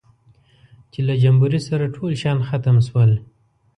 چې له جمبوري سره ټول شیان ختم شول.